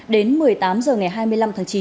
đến một mươi tám h ngày hai mươi năm tháng chín